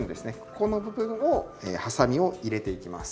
ここの部分をハサミを入れていきます。